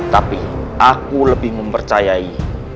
tapi aku lebih mempercayai